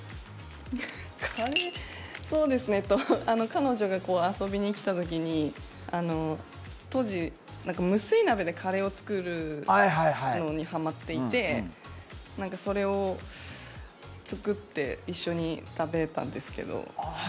カレーそうですね、彼女が遊びにきたときに、当時、無水鍋でカレーを作るのにハマっていて、それを作って一緒に食べたんですけど。